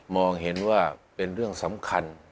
องเห็นว่าเป็นเรื่องสำคัญ